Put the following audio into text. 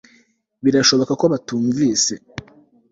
birashoboka ko batakumvise